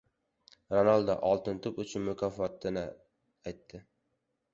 Ronaldo «Oltin to‘p» uchun nomzodini aytdi